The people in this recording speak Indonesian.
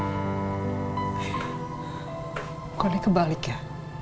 ibu kau nih kebalik ya